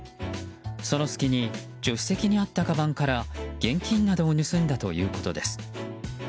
その隙に助手席にあったかばんから現金などを盗んだということです。